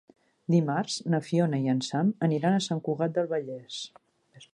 Dimarts na Fiona i en Sam aniran a Sant Cugat del Vallès.